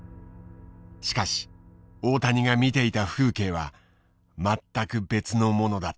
しかし大谷が見ていた風景は全く別のものだった。